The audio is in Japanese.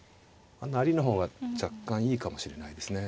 成りの方が若干いいかもしれないですね。